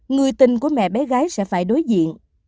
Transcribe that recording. người tình của mẹ bé gái sẽ phải đối diện